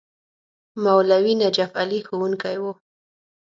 مولوي نجف علي ښوونکی وو.